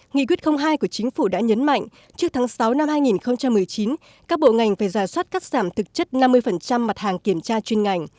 nghị quyết hai của chính phủ đã nhấn mạnh trước tháng sáu năm hai nghìn một mươi chín các bộ ngành phải giả soát cắt giảm thực chất năm mươi mặt hàng kiểm tra chuyên ngành